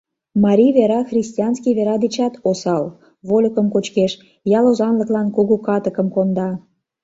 Марий вера христианский вера дечат осал: вольыкым кочкеш, ял озанлыклан кугу катыкым конда.